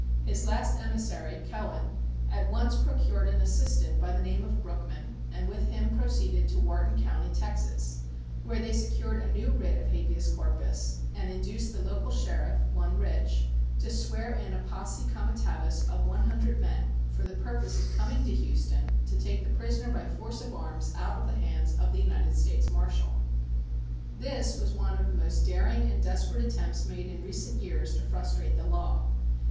His last emissary, Cohen, at once procured an assistant by the name of Brookman and with him proceeded to Wharton County, Texas, where they secured a new writ of habeas corpus and induced the local sheriff, one Rich, to swear in a posse comitatus of one hundred men for the purpose of coming to Houston to take the prisoner by force of arms out of the hands of the United States Marshal. This was one of the most daring and desperate attempts made in recent years to frustrate the law.